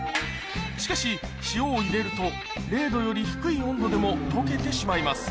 しかし塩を入れると０℃より低い温度でも解けてしまいます